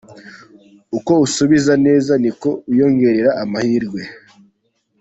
Uko usubiza neza niko wiyongerera amahirwe.